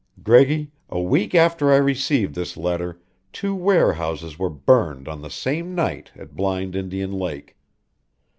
"Greggy, a week after I received this letter two warehouses were burned on the same night at Blind Indian Lake.